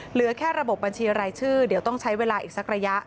เหลือแค่ระบบบัญชีรายชื่อเดี๋ยวต้องใช้เวลาอีกสักระยะ